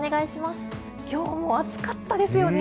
今日も暑かったですよね。